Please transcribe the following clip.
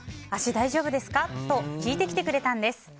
足、大丈夫ですか？と聞いてきてくれたんです。